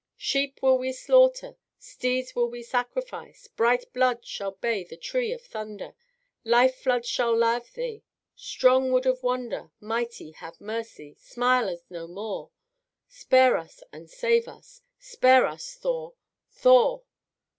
Sheep will we slaughter, Steeds will we sacrifice; Bright blood shall bathe O tree of Thunder, Life floods shall lave thee, Strong wood of wonder. Mighty, have mercy, Smile as no more, Spare us and save us, Spare us, Thor! Thor!